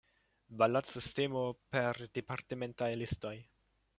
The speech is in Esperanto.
Balotsistemo per departementaj listoj.